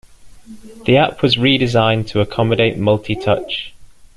The app was redesigned to accommodate multi-touch.